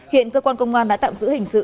hiện cơ quan công an đã tạm giữ hình sự